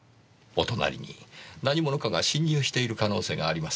お隣に何者かが侵入している可能性があります。